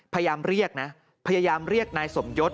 พยายามเรียกนะพยายามเรียกนายสมยศ